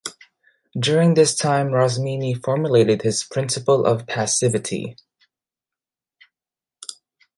During this time Rosmini formulated his "Principle of Passivity".